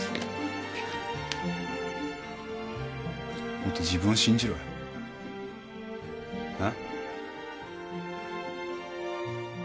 もっと自分を信じろよ。な。